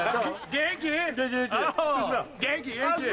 元気元気。